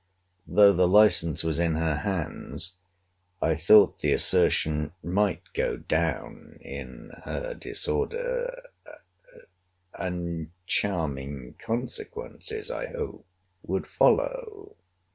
Though the license was in her hands, I thought the assertion might go down in her disorder; and charming consequences I hoped would follow.